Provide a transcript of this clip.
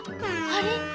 あれ？